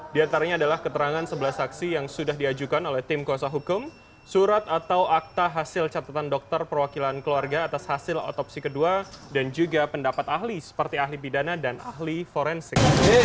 di antaranya adalah keterangan sebelah saksi yang sudah diajukan oleh tim kuasa hukum surat atau akta hasil catatan dokter perwakilan keluarga atas hasil otopsi kedua dan juga pendapat ahli seperti ahli pidana dan ahli forensik